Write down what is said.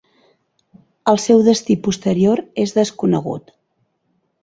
El seu destí posterior és desconegut.